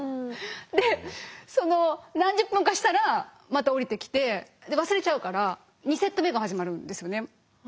でその何十分かしたらまた下りてきて忘れちゃうから２セット目が始まるんですよね。